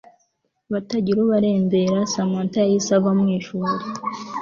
batagira ubarembera Samantha yahise ava mu ishuri